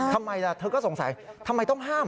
ทำไมล่ะเธอก็สงสัยทำไมต้องห้าม